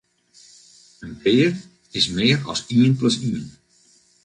In pear is mear as ien plus ien.